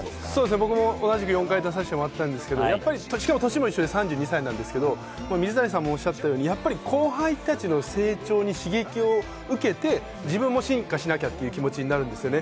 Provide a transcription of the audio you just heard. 僕も同じく４回出させてもらったんですが、歳も一緒で３２歳なんですけれども、水谷さんもおっしゃったように後輩たちの成長に刺激を受けて自分も進化しなきゃという気持ちになるんですよね。